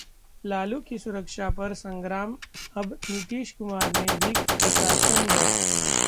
लालू की सुरक्षा पर संग्राम, अब नीतीश कुमार ने भी कसा तंज